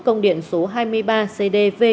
công điện số hai mươi ba cdv một